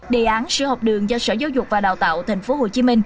đề án sữa hộp đường do sở giáo dục và đào tạo tp hcm